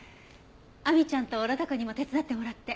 亜美ちゃんと呂太くんにも手伝ってもらって。